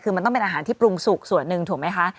คือมันต้องเป็นอาหารที่ปรุงสุกส่วนหนึ่งถูกไหมคะ